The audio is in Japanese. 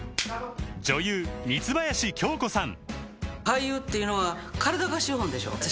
女優三林京子さん